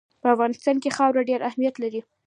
په افغانستان کې خاوره ډېر اهمیت لري.